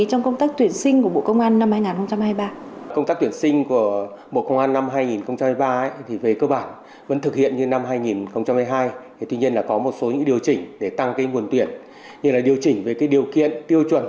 trong công tác tuyển sinh của bộ công an năm hai nghìn hai mươi ba